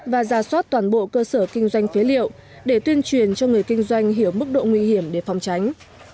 và ra soát toàn bộ cơ sở kinh doanh phế liệu để tuyên truyền cho người kinh doanh hiểu mức độ nguy hiểm để phòng tránh